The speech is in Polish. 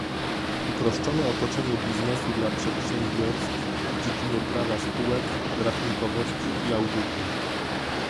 Uproszczone otoczenie biznesu dla przedsiębiorstw w dziedzinie prawa spółek, rachunkowości i audytu